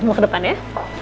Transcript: mau ke depan ya